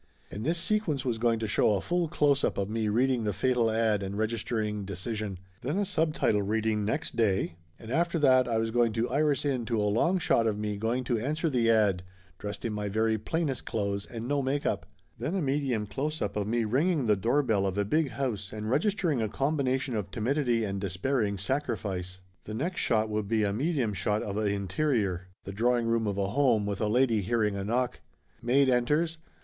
And this sequence was going to show a full close up of me reading the fatal ad and registering decision. Then a subtitle reading "Next 148 Laughter Limited Day," and after that I was going to iris in to a long shot of me going to answer the ad, dressed in my very plainest clothes and no make up. Then a medium close up of me ringing the doorbell of a big house and registering a combination of timidity and despairing sacrifice. The next shot would be a medium shot of a interior the drawing room of a home, with a lady hearing a knock. Maid enters.